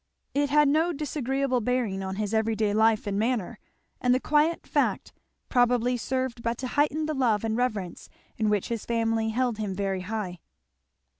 It had no disagreeable bearing on his everyday life and manner; and the quiet fact probably served but to heighten the love and reverence in which his family held him very high.